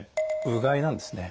うがいなんですね。